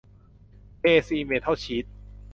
เค ซี เมททอลชีท